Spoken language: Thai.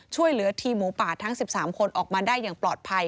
ช่วยเหลือทีมหมูป่าทั้งสิบสามคนออกมาได้ปลอดภัย